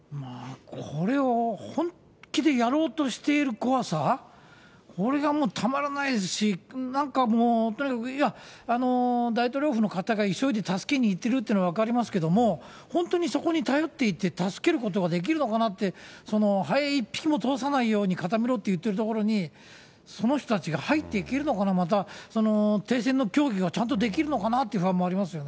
これを本気でやろうとしている怖さ、これがもう、たまらないですし、なんかもう、とにかく、いや、大統領府の方が急いで助けに行ってるって、分かりますけども、本当にそこに頼っていて助けることができるのかなって、ハエ一匹も通さないように固めろっていってる所に、その人たちが入っていけるのかな、また停戦の協議がちゃんとできるのかなっていう不安もありますよ